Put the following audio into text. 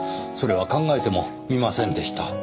それは考えてもみませんでした。